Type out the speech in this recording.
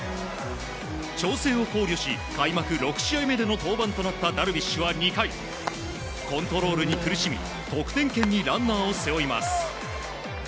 調整を考慮し開幕６試合目での登板となったダルビッシュは２回コントロールに苦しみ得点圏にランナーを背負います。